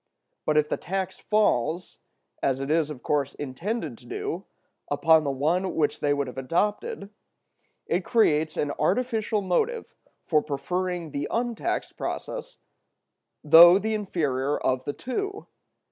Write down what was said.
But if the tax falls, as it is of course intended to do, upon the one which they would have adopted, it creates an artificial motive for preferring the untaxed process, though the inferior of the two.